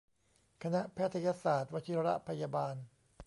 คณะแพทยศาสตร์วชิรพยาบาล